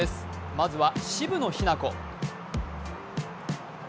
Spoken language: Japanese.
まずは渋野日向子。